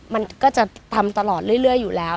มันก็จะทำตลอดเรื่อยอยู่แล้ว